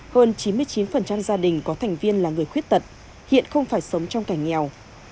hơn chín mươi chín gia đình có thành viên là người khuyết tật hiện không phải sống trong cảnh nghèo